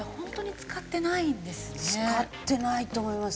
使ってないと思います。